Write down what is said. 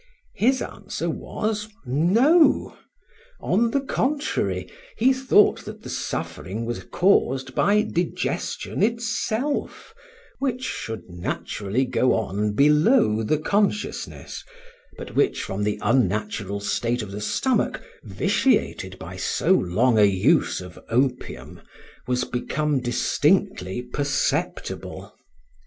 His answer was; No; on the contrary, he thought that the suffering was caused by digestion itself, which should naturally go on below the consciousness, but which from the unnatural state of the stomach, vitiated by so long a use of opium, was become distinctly perceptible.